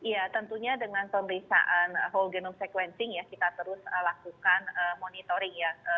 ya tentunya dengan pemeriksaan whole genome sequencing ya kita terus lakukan monitoring ya